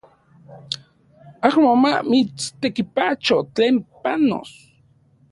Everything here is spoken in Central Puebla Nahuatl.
Amo mamitstekipacho tlen panos